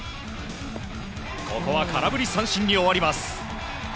ここは空振り三振に終わります。